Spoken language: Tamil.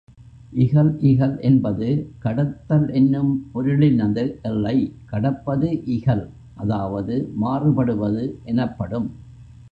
இகல் இகல் என்பது கடத்தல் என்னும் பொருளினது எல்லை கடப்பது இகல் அதாவது மாறுபடுவது எனப்படும்.